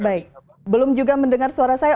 baik belum juga mendengar suara saya